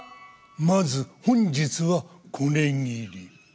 まず本日はこれぎり。